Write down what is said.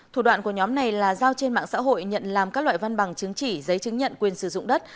thủ đoạn của nhóm này là giao trên mạng xã hội nhận làm các loại văn bằng chứng chỉ giấy chứng nhận quyền sử dụng đất